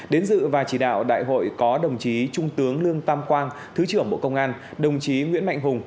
đến dự và chỉ đạo đại hội có đồng chí trung tướng lương tam quang thứ trưởng bộ công an đồng chí nguyễn mạnh hùng